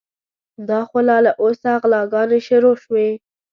دا خو لا له اوسه غلاګانې شروع شوې.